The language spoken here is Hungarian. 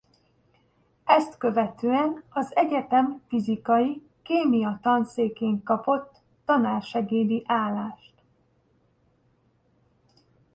Ezt követően az egyetem fizikai kémia tanszékén kapott tanársegédi állást.